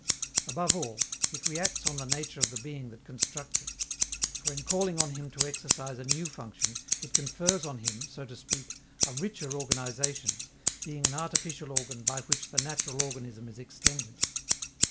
Above all, it reacts on the nature of the being that constructs it; for in calling on him to exercise a new function, it confers on him, so to speak, a richer organization, being an artificial organ by which the natural organism is extended.